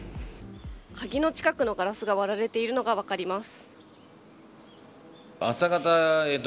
鍵の近くのガラスが割れているのが分かります。